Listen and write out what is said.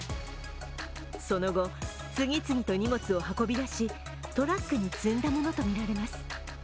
その後、次々と荷物を運び出しトラックに積んだものとみられます。